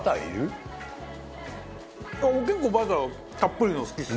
結構バターたっぷりの好きっす。